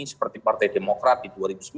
seperti partai demokrat di dua ribu sembilan belas